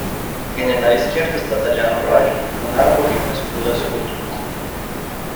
En el lado izquierdo está tallado un rayo, un árbol y un escudo scutum.